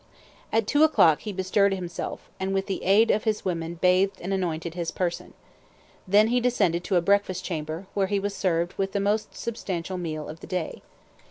At two o'clock he bestirred himself, and with the aid of his women bathed and anointed his person. Then he descended to a breakfast chamber, where he was served with the most substantial meal of the day.